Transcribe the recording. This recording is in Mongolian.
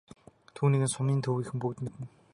Түүнийг нь сумын төвийнхөн бүгд мэднэ.